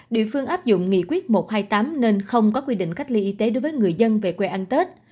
địa phương áp dụng nghị quyết một trăm hai mươi tám nên không có quy định cách ly y tế đối với người dân về quê ăn tết